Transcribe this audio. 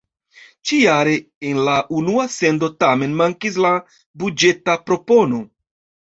Ĉi-jare en la unua sendo tamen mankis la buĝeta propono.